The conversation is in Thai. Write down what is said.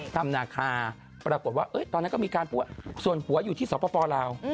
ถ้ำนาคาปรากฏว่าตอนนั้นก็มีการพูดส่วนหัวอยู่ที่สปลาว